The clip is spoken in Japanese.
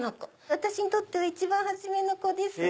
私にとっては一番初めの子です。